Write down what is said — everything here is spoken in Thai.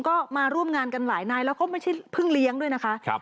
ก็มาร่วมงานกันหลายนายแล้วก็พึ่งเลี้ยงด้วยค่ะ